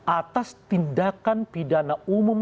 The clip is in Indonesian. atas tindakan pidana umum